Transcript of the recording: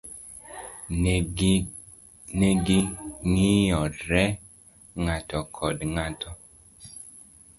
Negi ngiyore ng'ato koda ng' ato.